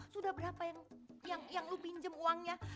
sudah berapa yang yang lo pinjem uangnya